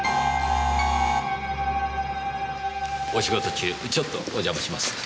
お仕事中ちょっとお邪魔します。